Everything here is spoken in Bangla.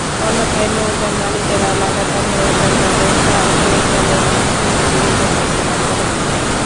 অন্যথায় নৌযান মালিকেরা লাগাতার নৌযান ব্যবসা পরিচালনা থেকে বিরত থাকতে বাধ্য হবেন।